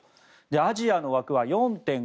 アジアの枠は４．５。